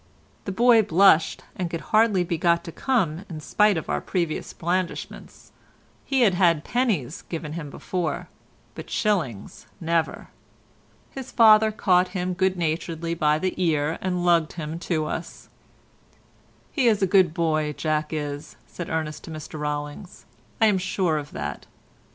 The boy blushed and could hardly be got to come in spite of our previous blandishments; he had had pennies given him before, but shillings never. His father caught him good naturedly by the ear and lugged him to us. "He's a good boy, Jack is," said Ernest to Mr Rollings, "I'm sure of that."